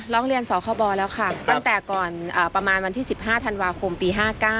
ร้องเรียนสคบแล้วค่ะตั้งแต่ก่อนประมาณวันที่๑๕ธันวาคมปี๕๙